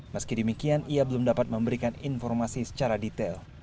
meski demikian ia belum dapat memberikan informasi secara detail